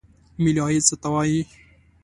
ملي عاید څه ته وایي؟